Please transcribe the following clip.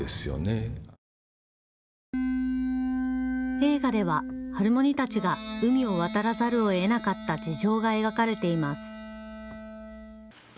映画ではハルモニたちが海を渡らざるをえなかった事情が描かれています。